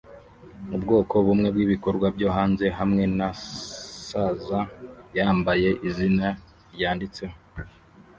Ubwoko bumwe bwibikorwa byo hanze hamwe na saza yambaye izina ryanditseho